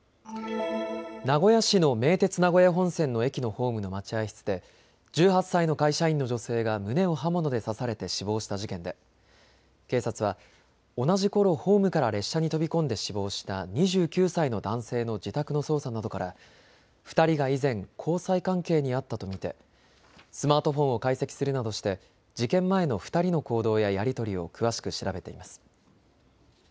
名古屋市の名鉄名古屋本線の駅のホームの待合室で１８歳の会社員の女性が胸を刃物で刺されて死亡した事件で、警察は同じころホームから列車に飛び込んで死亡した２９歳の男性の自宅の捜査などから２人が以前交際関係にあったと見てスマートフォンを解析するなどして事件前の２人の行動ややり取りを詳しく調べています。